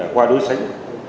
qua đối sách